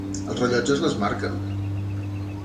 Els rellotges les marquen.